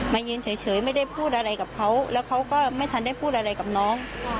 ยืนเฉยไม่ได้พูดอะไรกับเขาแล้วเขาก็ไม่ทันได้พูดอะไรกับน้อง